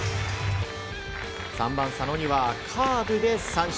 ３番、佐野にはカーブで三振。